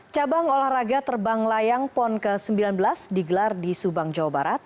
cabang olahraga terbang layang pon ke sembilan belas digelar di subang jawa barat